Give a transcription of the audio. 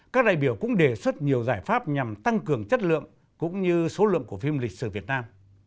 các đại biểu cũng đề xuất nhiều giải pháp nhằm tăng cường chất lượng cũng như số lượng của phim lịch sử việt nam